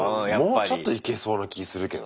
もうちょっといけそうな気するけどね。